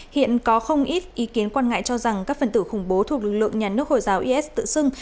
hiện có không ít ý kiến quan ngại cho rằng các phần tử khủng bố thuộc lực lượng nhà nước hồi giáo is tự xưng